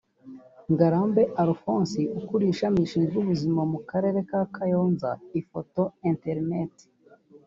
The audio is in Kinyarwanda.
Ngarambe Alphonse ukuriye ishami rishinwe ubuzima mu Karere ka Kayonza (Ifoto/Interineti)